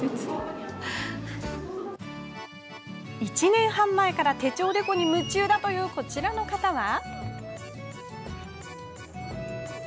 １年半前から手帳デコに夢中だというこちらの方は。